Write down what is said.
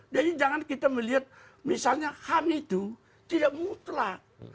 jadi jangan kita melihat misalnya ham itu tidak mutlak